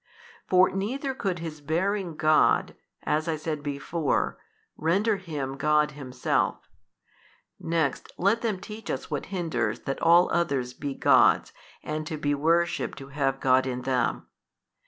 For neither could his bearing God (as I said before) render him God Himself: next let them teach us what hinders that all others be gods and to be worshipped who have God in them?